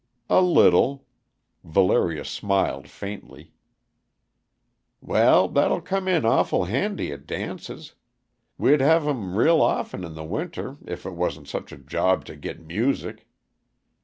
"A little," Valeria smiled faintly. "Well, that'll come in awful handy at dances. We'd have 'em real often in the winter if it wasn't such a job to git music.